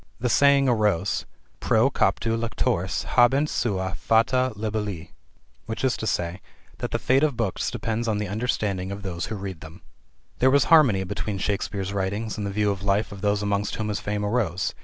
The saying arose: "pro captu lectoris habent sua fata libelli" i.e., that the fate of books depends on the understanding of those who read them. There was harmony between Shakespeare's writings and the view of life of those amongst whom his fame arose.